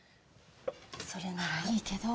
それならいいけど。